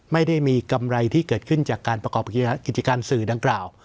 ไม่ได้มีกำไรที่เกิดขึ้นจากการประกอบกิจการสื่อดังกล่าว